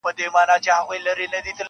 او ښکلا ته دوهمه درجه ارزښت ورکړه سوی دی -